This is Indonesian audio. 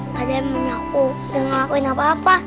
padahal mami aku gak ngelakuin apa apa